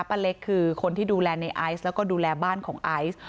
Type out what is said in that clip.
เล็กคือคนที่ดูแลในไอซ์แล้วก็ดูแลบ้านของไอซ์